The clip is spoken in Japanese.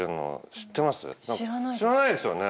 知らないですよね。